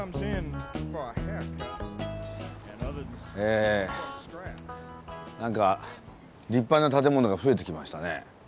え何か立派な建物が増えてきましたね。